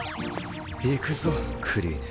行くぞクリーネ。